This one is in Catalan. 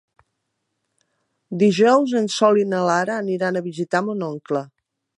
Dijous en Sol i na Lara aniran a visitar mon oncle.